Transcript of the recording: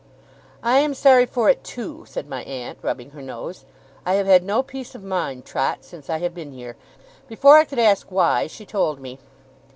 'I am sorry for it, too,' said my aunt, rubbing her nose. 'I have had no peace of mind, Trot, since I have been here.' Before I could ask why, she told me.